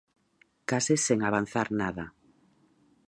Case sen avanzar nada.